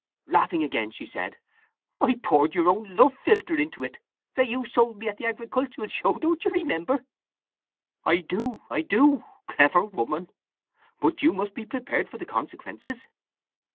Laughing again she said: "I poured your own love philtre into it, that you sold me at the agricultural show, don't you re member?" "I do, I do! Clever woman! But you must be prepared for the consequences."